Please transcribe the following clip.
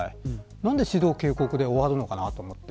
なんで指導、警告で終わるのかなと思って。